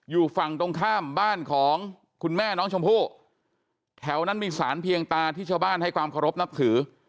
อยู่ฝั่งตรงข้ามบ้านของคุณแม่น้องชมพู่แถวนั้นมีสารเพียงตาที่ชาวบ้านให้ความเคารพนับถือ